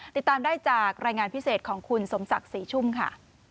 ติดตามได้จากรายงานพิเศษของคุณสมศักดิ์ศรีชุ่มค่ะ